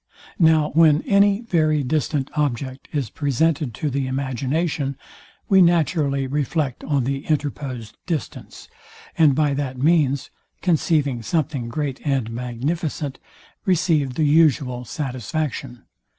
Now when any very distant object is presented to the imagination, we naturally reflect on the interposed distance, and by that means, conceiving something great and magnificent, receive the usual satisfaction.